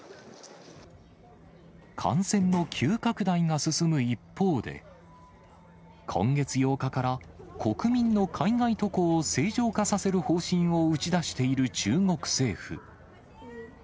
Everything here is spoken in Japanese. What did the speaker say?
感染の急拡大が進む一方で、今月８日から国民の海外渡航を正常化させる方針を打ち出している中国政府。